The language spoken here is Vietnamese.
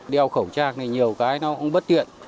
đeo khẩu trang này nhiều cái nó cũng bất tiện